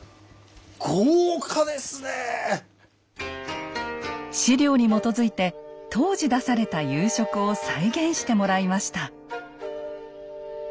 ええ⁉史料に基づいて当時出された夕食を再現してもらいました。